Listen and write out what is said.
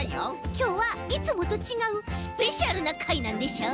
きょうはいつもとちがうスペシャルなかいなんでしょう？